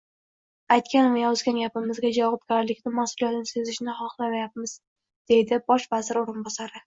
“Aytgan va yozgan gapimizga javobgarlikni, mas’uliyatni sezishni xohlamayapmiz”, — deydi bosh vazir o‘rinbosari